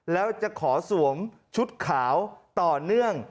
แล้วจะขอสวมชุดขาวต่อเนื่อง